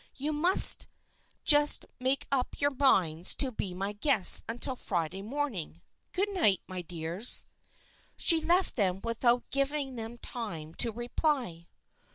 You must just make up your minds to be my guests until Friday morning. Good night, my dears." She left them without giving them time to reply.